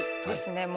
もう。